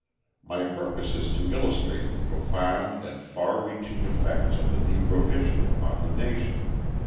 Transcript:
My purpose is to illustrate the profound and far reaching effects of the Negro issue upon the nation.